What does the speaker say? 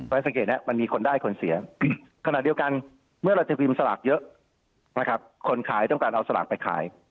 สังเกตเนี่ยมันมีคนได้คนเสียขณะเดียวกันเมื่อเราจะพิมพ์สลากเยอะนะครับคนขายต้องการเอาสลากไปขาย